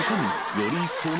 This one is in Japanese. より一層の］